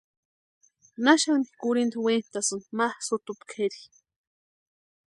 ¿Naxani kurhinta wentasïni ma sutumpu kʼeri?